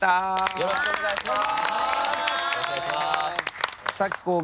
よろしくお願いします。